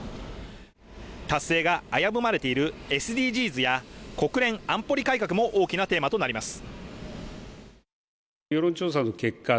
達成が危ぶまれているＳＤＧｓや国連安保理改革も大きなテーマとなります